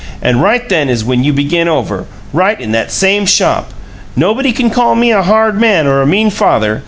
And right then is when you begin over right in that same shop! Nobody can call me a hard man or a mean father.